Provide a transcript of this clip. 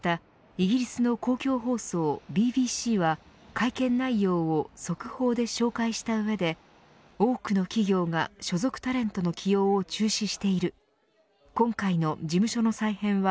イギリスの公共放送ＢＢＣは会見内容を速報で紹介した上で多くの企業が所属タレントの起用を中止している今回の事務所の再編は